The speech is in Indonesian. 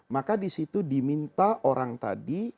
maka disitu diminta orang tadi